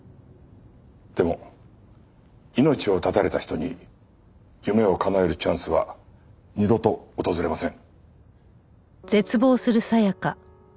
でも命を絶たれた人に夢をかなえるチャンスは二度と訪れません。